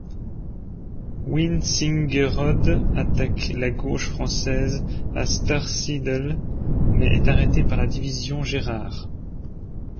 Wintzingerode attaque la gauche française à Starsiedel, mais est arrêté par la division Gérard.